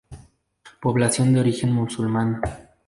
Población de origen musulmán.